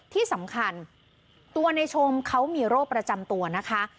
ที่สำคัญตัวในชมเขามีโรคประจำตัวนะคะ